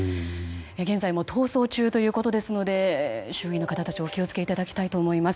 現在も逃走中ということですので周囲の方たちお気を付けいただきたいと思います。